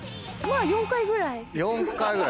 「４回ぐらい」